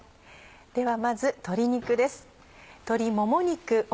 ではまず鶏肉です。